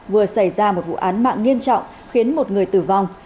vừa xảy ra một vụ án mạng nghiêm trọng khiến một người tử vong